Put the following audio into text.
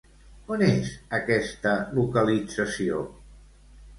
On és aquesta localització?